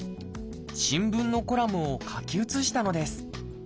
新聞のコラムを書き写したのです。